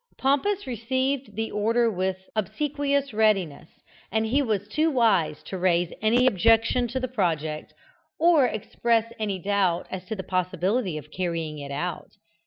Pompous received the order with obsequious readiness, and was too wise to raise any objection to the project, or express any doubt as to the possibility of carrying it out.